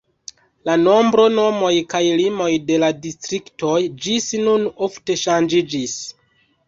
La nombro, nomoj kaj limoj de la distriktoj ĝis nun ofte ŝanĝiĝis.